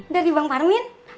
dari bang parmin